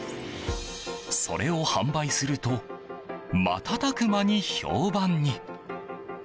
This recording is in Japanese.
それを販売すると瞬く間に評判に。